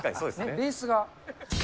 ベースが。